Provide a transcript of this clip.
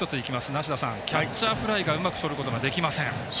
梨田さん、キャッチャーフライがうまくとることができません。